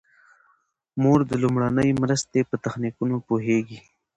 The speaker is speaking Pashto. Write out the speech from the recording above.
مور د لومړنۍ مرستې په تخنیکونو پوهیږي.